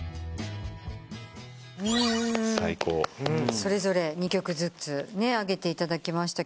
それぞれ２曲ずつ挙げていただきました。